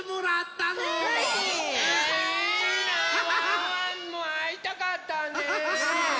ワンワンもあいたかった。ね。